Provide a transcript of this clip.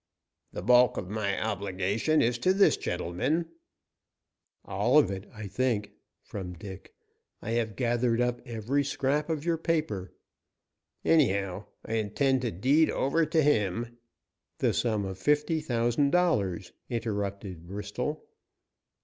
"The bulk of my obligation is to this gentleman " "All of it, I think," from Dick. "I have gathered up every scrap of your paper." "Anyhow, I intend to deed over to him " "The sum of fifty thousand dollars," interrupted Bristol.